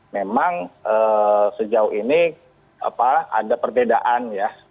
memang sejauh ini ada perbedaan ya